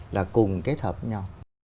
là cùng kết hợp nhau